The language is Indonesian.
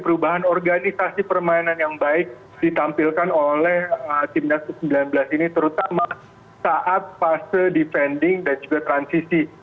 perubahan organisasi permainan yang baik ditampilkan oleh timnas u sembilan belas ini terutama saat fase defending dan juga transisi